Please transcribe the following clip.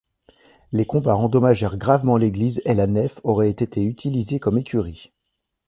Les combats endommagèrent gravement l’église et la nef aurait été utilisée comme écurie.